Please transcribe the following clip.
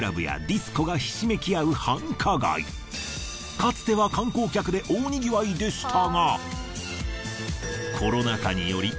かつては観光客で大にぎわいでしたが。